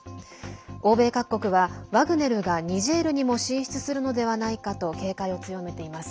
欧米各国は、ワグネルがニジェールにも進出するのではないかと警戒を強めています。